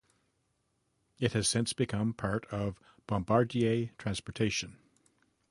It has since become part of Bombardier Transportation.